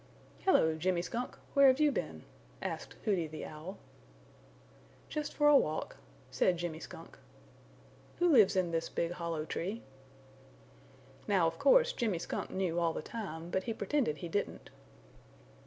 "Hello, Jimmy Skunk, where have you been?" asked Hooty the Owl. "Just for a walk," said Jimmy Skunk. "Who lives in this big hollow tree?" Now of course Jimmy Skunk knew all the time, but he pretended he didn't.